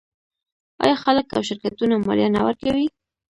آیا خلک او شرکتونه مالیه نه ورکوي؟